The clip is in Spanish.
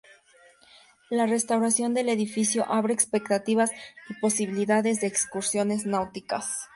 La restauración del edificio abre expectativas y posibilidades de excursiones náuticas.